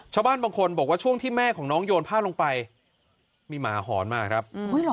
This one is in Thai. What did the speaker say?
ชาวบ้านบางคนบอกว่าช่วงที่แม่ของน้องโยนผ้าลงไปมีหมาหอนมาครับ